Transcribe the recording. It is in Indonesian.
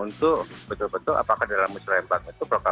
untuk betul betul apakah dalam muslim bank itu beroperasi